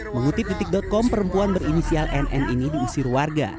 mengutip detik com perempuan berinisial nn ini diusir warga